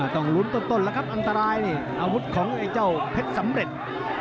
ต้องลุ้นต้นแล้วครับอันตรายนี่อาวุธของไอ้เจ้าเพชรสำเร็จ